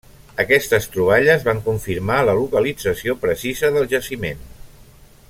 Aquestes troballes van confirmar la localització precisa del jaciment.